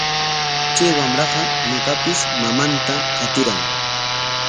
Kay wamraqa maypapis mamanta qatiran.